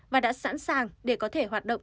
và đã sẵn sàng để có thể hoạt động